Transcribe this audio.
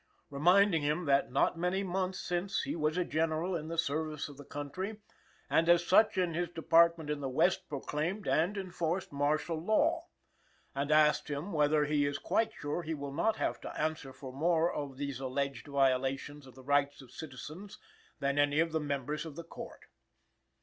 reminding him that "not many months since he was a general in the service of the country and as such in his department in the West proclaimed and enforced martial law;" and asks him whether he is "quite sure he will not have to answer for more of these alleged violations of the rights of citizens than any of the members of the Court?"